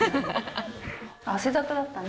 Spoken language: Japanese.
汗だくだったね。